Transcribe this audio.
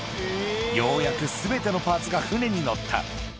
ようやくすべてのパーツが船に載った。